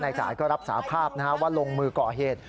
จ่ายก็รับสาภาพว่าลงมือก่อเหตุ